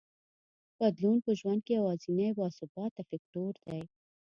بدلون په ژوند کې یوازینی باثباته فکټور دی.